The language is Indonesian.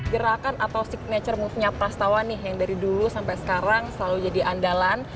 gerakan atau signature move nya prastawa nih yang dari dulu sampai sekarang selalu jadi andalan